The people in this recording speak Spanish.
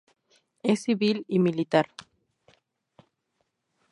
Es civil y militar.